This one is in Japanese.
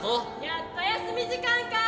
「やっと休み時間か」。